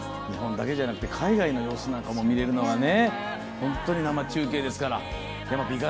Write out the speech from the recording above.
日本だけじゃなくて海外の様子なんかも見れるのは本当に生中継ですから。